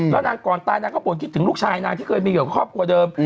แล้วนางก่อนตายนางก็บ่นคิดถึงลูกชายนางที่เคยมีอยู่กับครอบครัวเดิม